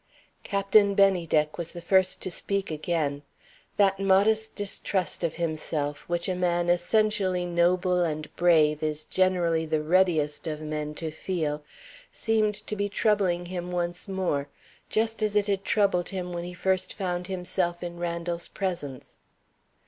Captain Bennydeck was the first to speak again. That modest distrust of himself, which a man essentially noble and brave is generally the readiest of men to feel, seemed to be troubling him once more just as it had troubled him when he first found himself in Randal's presence.